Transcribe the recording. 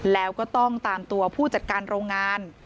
แล้วก็ต้องตามตัวผู้จัดการโรงงาน